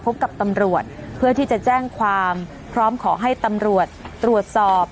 กับตำรวจเพื่อที่จะแจ้งความพร้อมขอให้ตำรวจตรวจสอบ